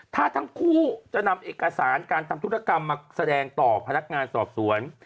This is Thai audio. ถ้าทั้งคู่จะนำเอกสารการทำธุรกรรมมาแสดงต่อพนักงานสอบสวน